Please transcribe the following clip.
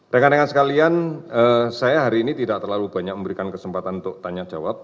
rekan rekan sekalian saya hari ini tidak terlalu banyak memberikan kesempatan untuk tanya jawab